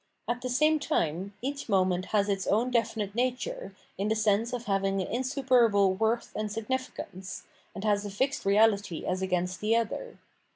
At the same time, each moment has its own defimte nature, in the sense of having an insuperable worth and signifi cance; and has a fixed reahty as against the other.